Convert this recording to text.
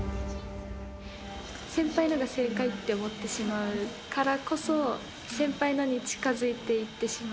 先輩のが正解と思ってしまうからこそ、先輩のに近づいていってしまう。